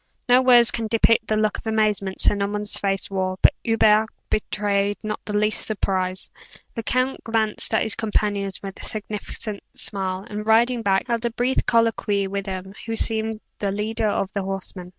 No words can depict the look of amazement Sir Norman's face wore; but Hubert betrayed not the least surprise. The count glanced at his companions with a significant smile, and riding back, held a brief colloquy with him who seemed the leader of the horsemen.